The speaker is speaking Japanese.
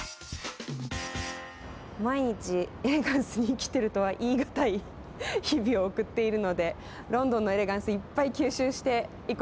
毎日エレガンスに生きてるとは言いがたい日々を送っているのでロンドンのエレガンスいっぱい吸収していこうと思います。